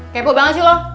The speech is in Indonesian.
kepok banget sih lo